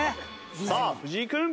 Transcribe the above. さあ藤井君。